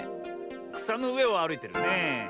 くさのうえをあるいてるねえ。